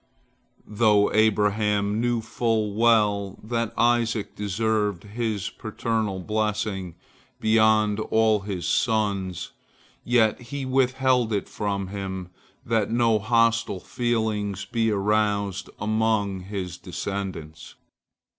Though Abraham knew full well that Isaac deserved his paternal blessing beyond all his sons, yet he withheld it from him, that no hostile feelings be aroused among his descendants.